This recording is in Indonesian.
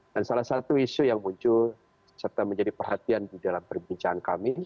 dan salah satu isu yang muncul serta menjadi perhatian di dalam perbincangan kami